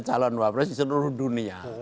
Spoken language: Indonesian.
calon wapres di seluruh dunia